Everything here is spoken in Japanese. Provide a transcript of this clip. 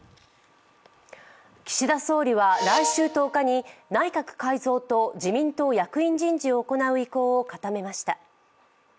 岸田総理は来週１０日に内閣改造と自民党役員人事を行う意向を固めました。